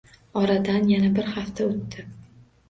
Oradan yana bir hafta oʻtdi.